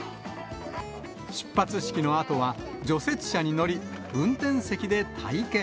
出発式のあとは、除雪車に乗り、運転席で体験。